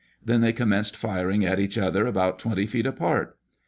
Then they com menced firing at each other about twenty feet apart.